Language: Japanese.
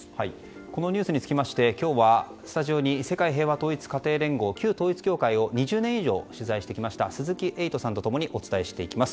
このニュースにつきまして今日はスタジオに世界平和統一家庭連合旧統一教会を２０年以上取材してきました鈴木エイトさんと共にお伝えしていきます。